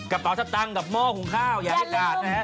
กระเป๋าสัตว์ตังค์กับโม่ขุมข้าวอย่าลืม